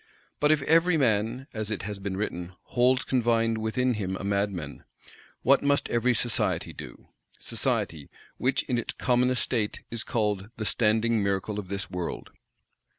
But if "every man," as it has been written, "holds confined within him a mad man," what must every Society do;—Society, which in its commonest state is called "the standing miracle of this world"!